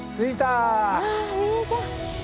あっ見えた。